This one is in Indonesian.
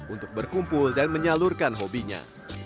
untuk berkumpul dan menyalurkan hobinya